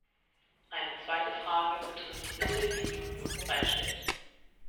Eine zweite Frage betrifft die Mittel, die die Union bereitstellt.